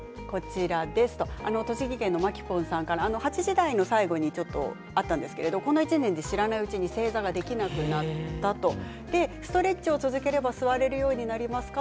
８時台の最後にあったんですがこの１年、知らないうちに正座ができなくなったとストレッチを続ければ座れるようになりますか？